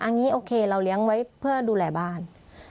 อันนี้โอเคเราเลี้ยงไว้เพื่อดูแลบ้าน